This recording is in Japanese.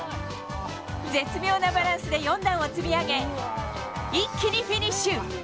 絶妙なバランスで４段を積み上げ、一気にフィニッシュ。